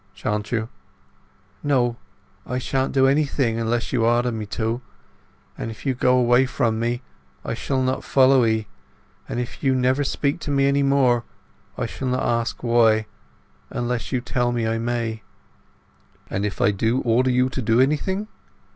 "Shan't you?" "No, I shan't do anything, unless you order me to; and if you go away from me I shall not follow 'ee; and if you never speak to me any more I shall not ask why, unless you tell me I may." "And if I order you to do anything?"